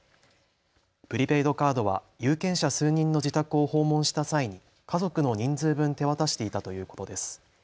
プリペイドカードは有権者数人の自宅を訪問した際に家族の人数分手渡していたということです。